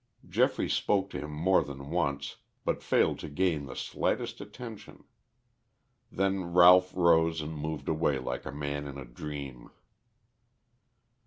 Geoffrey spoke to him more than once, but failed to gain the slightest attention. Then Ralph rose and moved away like a man in a dream.